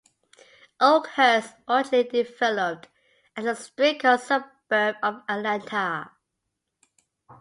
Oakhurst originally developed as a streetcar suburb of Atlanta.